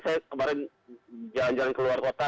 saya kemarin jalan jalan keluar kota